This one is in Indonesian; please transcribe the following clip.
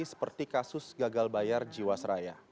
seperti kasus gagal bayar jiwa seraya